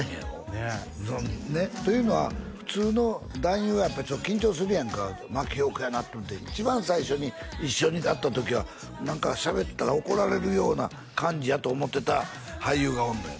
ねえというのは普通の男優はやっぱ緊張するやんか真木よう子やなって思って一番最初に一緒にやった時は何かしゃべったら怒られるような感じやと思ってた俳優がおんのよ